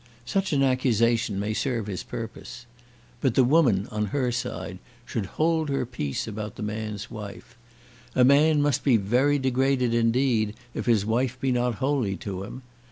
Such an accusation may serve his purpose. But the woman, on her side, should hold her peace about the man's wife. A man must be very degraded indeed if his wife be not holy to him.